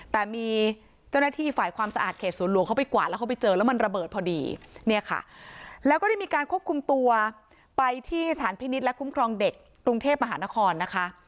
แต่มีเจ้าหน้าที่ฝ่ายความสะอาดเขตสวนหลวงเขาไปกวาดแล้วเขาไปเจอแล้วมันระเบิดพอดีเนี่ยค่ะแล้วก็ได้มีการควบคุมตัวไปที่สถานพินิษฐ์และคุ้มครองเด็กกรุงเทพมหานครนะคะ